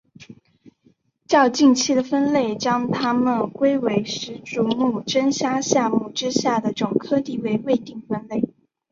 较近期的分类将它们归为十足目真虾下目之下的总科地位未定分类。